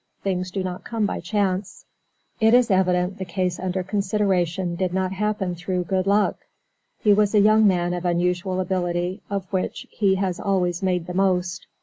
Things do not come by chance. It is evident the case under consideration did not happen through 'good luck.' He was a young man of unusual ability, of which he has always made the most.